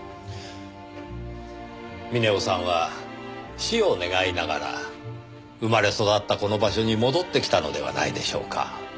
峰夫さんは死を願いながら生まれ育ったこの場所に戻ってきたのではないでしょうか。